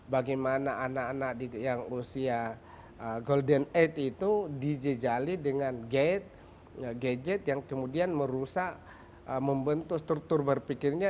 bagaimana anak anak yang usia golden aids itu dijejali dengan gate gadget yang kemudian merusak membentuk struktur berpikirnya